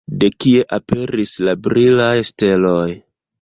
De kie aperis la brilaj steloj?